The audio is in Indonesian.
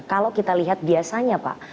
kalau kita lihat biasanya pak